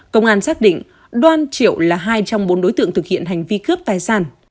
công an xác định đoan triệu là hai trong bốn đối tượng thực hiện hành vi cướp tài sản